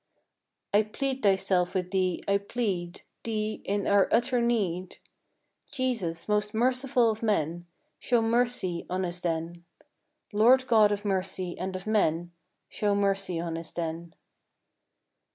I plead Thyself with Thee, I plead Thee in our utter need : 144 FROM QUEENS' GARDENS. Jesus, most Merciful of Men, . Show mercy on us then ; Lord God of Mercy and of men, Show mercy on us then.